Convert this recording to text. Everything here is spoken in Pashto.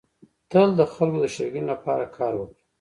تل د خلکو د ښيګڼي لپاره کار وکړه.